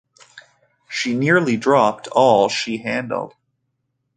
She nearly dropped all she handled.